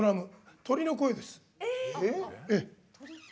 鳥の声です。